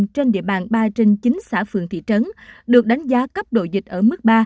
trên địa bàn ba trên chín xã phường thị trấn được đánh giá cấp độ dịch ở mức ba